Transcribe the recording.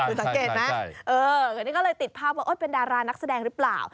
คุณสังเกตไหมนี่ก็เลยติดภาพว่าเป็นดารานักแสดงหรือเปล่า